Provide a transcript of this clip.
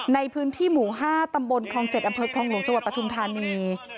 ในพื้นที่หมู่๕ตำบลคลอง๗อำเภอคลองหลวงจังหวัดปทุมธานี